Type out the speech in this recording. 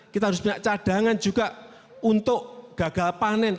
kita harus punya cadangan juga untuk gagal panen